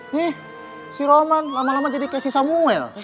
nih si roman lama lama jadi kayak si samuel